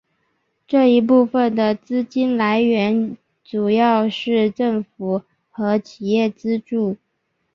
这一部分的资金来源主要是政府和企业资助。